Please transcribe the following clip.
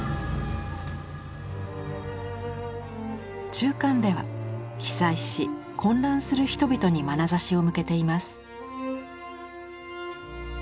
中巻では被災し混乱する人々にまなざしを向けています。